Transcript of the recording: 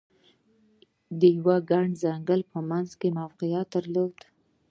د یوه ګڼ ځنګل په منځ کې موقعیت درلود.